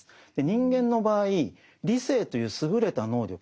人間の場合理性という優れた能力